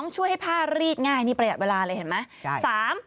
ช่วยให้ผ้ารีดง่ายนี่ประหยัดเวลาเลยเห็นไหม